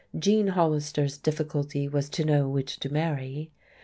Gene Hollister's difficulty was to know which to marry.